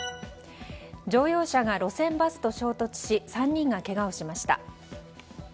乗用車が路線バスと衝突し３人がけがをしました。